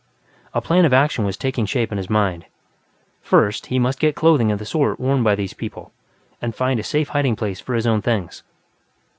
A plan of action was taking shape in his mind. First, he must get clothing of the sort worn by these people, and find a safe hiding place for his own things.